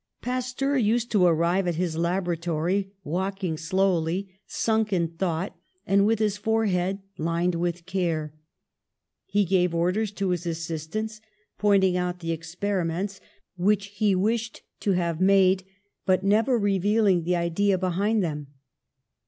Pasteur used to arrive at his laboratory, walking slowly, sunk in thought, and with his forehead lined with care. He gave orders to his assistants, pointing out the experiments which 71 72 PASTEUR he wished to have made, but never revealing the idea behind them.